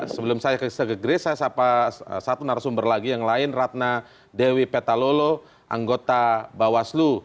sebelum saya ke grace saya sapa satu narasumber lagi yang lain ratna dewi petalolo anggota bawaslu